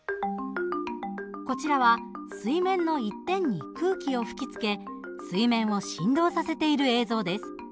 こちらは水面の一点に空気を吹きつけ水面を振動させている映像です。